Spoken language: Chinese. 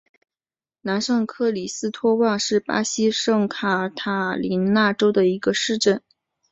南圣克里斯托旺是巴西圣卡塔琳娜州的一个市镇。